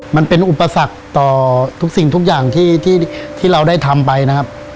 มันเป็นอุปสรรคต่อทุกสิ่งทุกอย่างที่เราได้ทำไปนะครับ